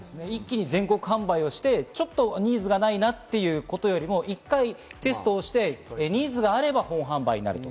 全国販売をして、ちょっとニーズがないなというよりも１回テストをして、ニーズがあれば本販売になると。